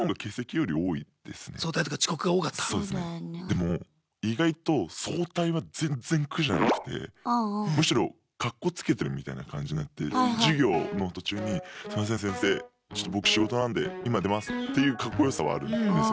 でも意外と早退は全然苦じゃなくてむしろかっこつけてるみたいな感じになって授業の途中に「すいません先生ちょっと僕仕事なんで今出ます」っていうかっこよさはあるんですよ。